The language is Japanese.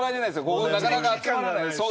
ここなかなか集まらない。